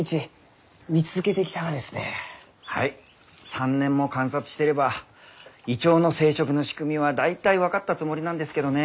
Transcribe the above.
３年も観察してればイチョウの生殖の仕組みは大体分かったつもりなんですけどね。